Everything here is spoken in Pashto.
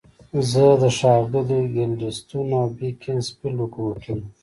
زه د ښاغلي ګلیډستون او بیکنزفیلډ حکومتونو.